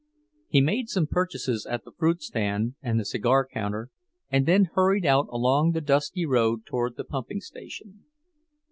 He made some purchases at the fruit stand and the cigar counter, and then hurried out along the dusty road toward the pumping station.